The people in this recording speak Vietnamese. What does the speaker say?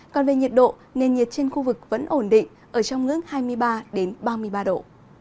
còn về nhiệt độ nền nhiệt trên khu vực vẫn ổn định ở trong ngưỡng hai mươi ba ba mươi ba độ